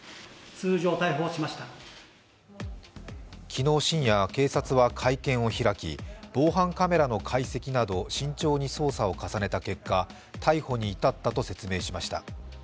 昨日深夜、警察は会見を開き防犯カメラの解析など慎重に捜査を重ねた結果、逮捕に至ったと説明しました。